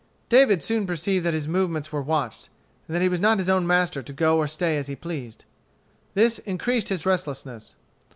David soon perceived that his movements were watched, and that he was not his own master to go or stay as he pleased. This increased his restlessness.